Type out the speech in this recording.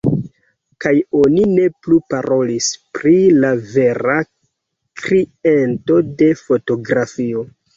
Kaj oni ne plu parolis pri la vera kreinto de fotografio.